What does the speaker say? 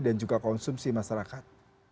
dan juga konsumsi masyarakat